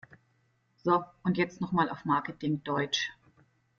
So, und jetzt noch mal auf Marketing-Deutsch!